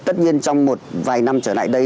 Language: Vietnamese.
tất nhiên trong một vài năm trở lại đây